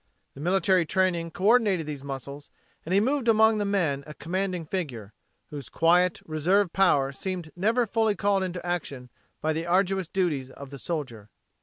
The military training coordinated these muscles and he moved among the men a commanding figure, whose quiet reserve power seemed never fully called into action by the arduous duties of the soldier.